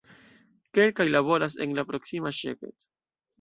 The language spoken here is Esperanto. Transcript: Kelkaj laboras en la proksima Szeged.